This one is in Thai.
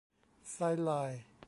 ไซด์ไลน์